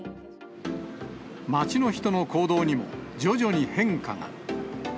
街の人の行動にも、徐々に変化が。